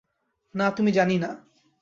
না, তুমি জানি না।